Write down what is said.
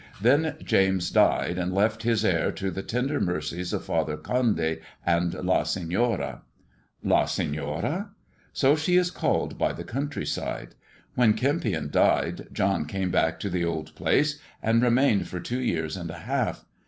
Then James died, and UK * his heir to the tender mercies of Father Condy and Senora." "LaSeiiora?" " So she is called by the county side. When Kempion died John came back to the old place, and remained for two years and a half.